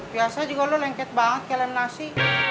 biasa juga lo lengket banget kayak lem nasi